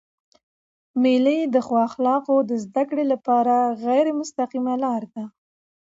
مېلې د ښو اخلاقو د زدهکړي له پاره غیري مستقیمه لار ده.